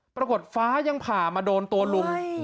ปรากฏฟ้ายังผ่ามาโดนตัวลุง